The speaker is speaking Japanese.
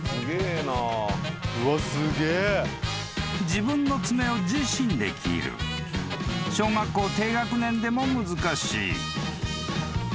［自分の爪を自身で切る］［小学校低学年でも難しい］